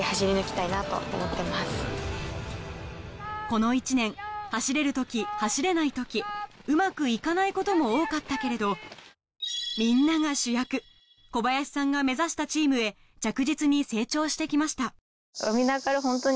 この１年走れる時走れない時うまく行かないことも多かったけれど小林さんが目指したチームへ着実に成長して来ました